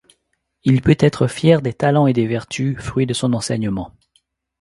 Il peut être fier des talents et des vertus, fruit de son enseignement.